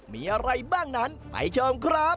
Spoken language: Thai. มีอะไรบ้างนั้นไปชมครับ